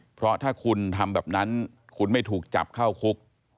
เพราะถ้าคุณทำแบบนั้นคุณไม่ถูกจับเข้าคุก